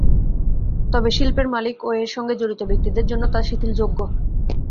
তবে শিল্পের মালিক ও এর সঙ্গে জড়িত ব্যক্তিদের জন্য তা শিথিলযোগ্য।